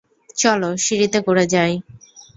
চলো, সিঁড়িতে করে যাই।